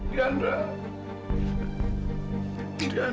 diandra diandra sayang